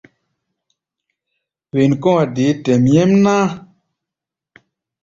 Wen kɔ̧́-a̧ deé tɛʼm nyɛ́mná.